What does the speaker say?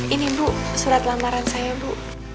ini bu surat lamaran saya bu